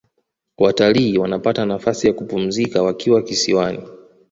watalii wanapata nafasi ya kupumzika wakiwa kisiwani